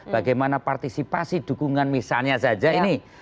bagaimana partisipasi dukungan misalnya saja ini